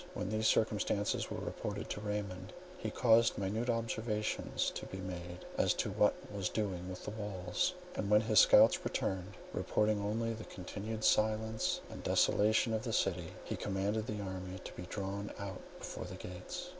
When these circumstances were reported to Raymond, he caused minute observations to be made as to what was doing within the walls, and when his scouts returned, reporting only the continued silence and desolation of the city, he commanded the army to be drawn out before the gates.